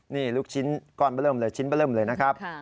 นี่ลูกชิ้นก้อนเบอร์เริ่มเลยชิ้นมาเริ่มเลยนะครับ